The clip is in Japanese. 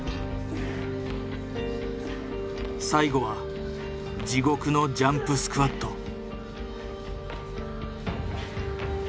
最後は地獄のジャンプスクワット。